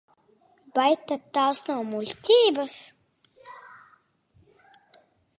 Vai tad tās nav muļķības?